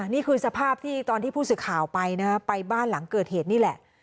นี่คือสภาพที่ตอนที่ผู้สื่อข่าวไปนะฮะไปบ้านหลังเกิดเหตุนี่แหละ